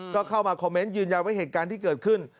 ก็เข้ามาคอมเมนต์ยืนยันว่าเหตุการณ์ที่เกิดขึ้น